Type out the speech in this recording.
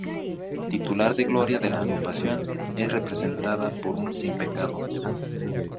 Titular de gloria de la Agrupación, es representada por un simpecado.